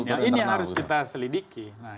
nah ini harus kita selidiki